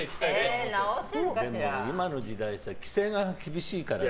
今の時代、規制が厳しいからね。